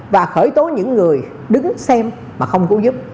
và khởi tố những người đứng xem mà không cứu giúp